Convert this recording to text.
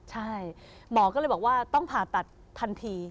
ใช่หมอก็เลยบอกว่าต้องผ่าตัดทันที